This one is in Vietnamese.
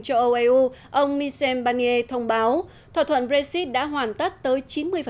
châu âu eu ông michel barnier thông báo thỏa thuận brexit đã hoàn tất tới chín mươi